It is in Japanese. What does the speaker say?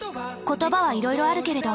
言葉はいろいろあるけれど。